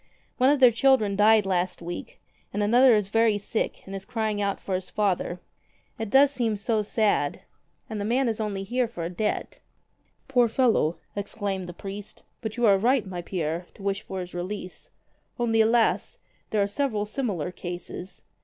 One of their children died last week, and another is very sick and is crying out for his father. It does seem so sad. And the man is only here for a debt." "Poor fellow!" exclaimed the priest. "But you are right, my Pierre, to wish for his release. Only, alas ! there are several similar cases.